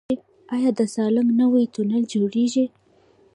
آیا د سالنګ نوی تونل جوړیږي؟